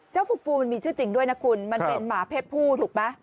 ฟูฟูมันมีชื่อจริงด้วยนะคุณมันเป็นหมาเพศผู้ถูกไหม